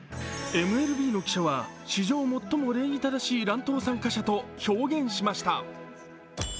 ＭＬＢの記者は史上最も礼儀正しい乱闘参加者と表現しました。